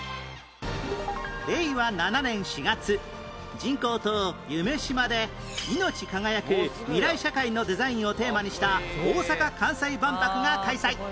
令和７年４月人工島・夢洲でいのち輝く未来社会のデザインをテーマにした大阪・関西万博が開催